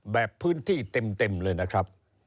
แบบพื้นที่เต็มเลยนะครับ